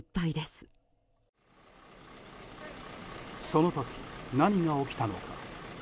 その時、何が起きたのか。